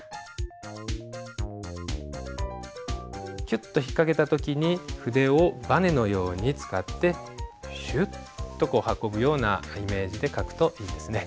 キュッと引っ掛けた時に筆をばねのように使ってシュッとこう運ぶようなイメージで書くといいですね。